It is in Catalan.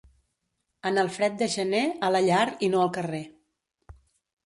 En el fred de gener, a la llar i no al carrer.